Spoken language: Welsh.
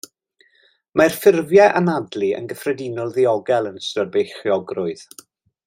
Mae'r ffurfiau anadlu yn gyffredinol ddiogel yn ystod beichiogrwydd.